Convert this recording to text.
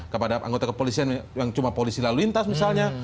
kepada anggota kepolisian yang cuma polisi lalu lintas misalnya